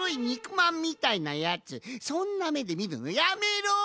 まんみたいなやつそんなめでみるのやめろ！